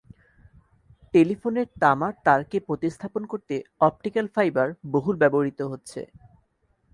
টেলিফোনের তামার তারকে প্রতিস্থাপন করতে অপটিক্যাল ফাইবার বহুল ব্যবহূত হচ্ছে।